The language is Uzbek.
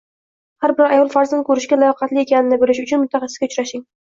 Har bir ayol farzand ko‘rishga layoqatli ekanini bilish uchun mutaxassisga uchrashing.